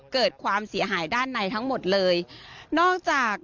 เกิดความเสียหายด้านในทั้งหมดเลยนอกจาก